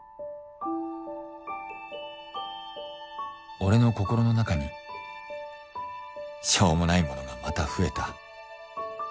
俺の心の中にしょうもないものがまた増えた。